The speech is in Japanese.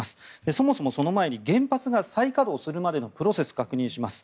そもそも、その前に原発が再稼働するまでのプロセスを確認します。